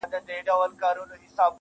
• له دې جهانه بېل وي.